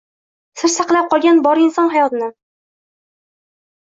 Siz saqlab qolgan bor inson hayotin!